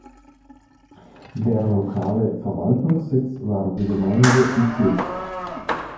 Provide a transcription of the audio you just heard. Der lokale Verwaltungssitz war die Gemeinde Iki.